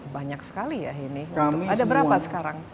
banyak sekali ya ini ada berapa sekarang